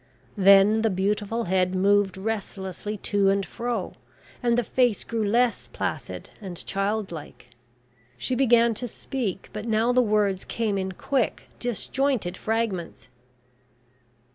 Then the beautiful head moved restlessly to and fro, and the face grew less placid and child like. She began to speak, but now the words came in quick disjointed fragments.